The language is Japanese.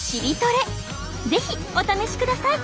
是非お試しください！